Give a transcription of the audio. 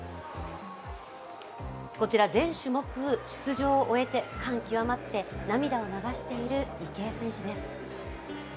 こちら全種目出場を終えて感極まって涙を流している池江選手です。